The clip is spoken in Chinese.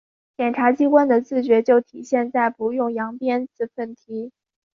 检察机关的自觉就体现在‘不用扬鞭自奋蹄’